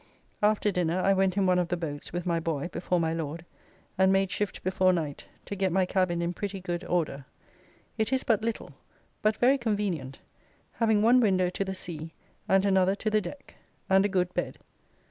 After dinner I went in one of the boats with my boy before my Lord, and made shift before night to get my cabin in pretty good order. It is but little, but very convenient, having one window to the sea and another to the deck, and a good bed.